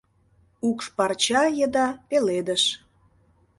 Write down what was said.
Укш-парча еда — пеледыш —